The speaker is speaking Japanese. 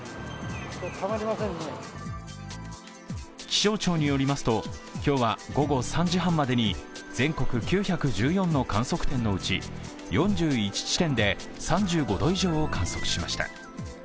気象庁によりますと、今日は午後３時半までに全国９１４の観測点のうち、４１地点で３５度以上を観測しました。